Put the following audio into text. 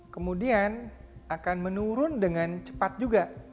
kemudian akan menurun dengan cepat juga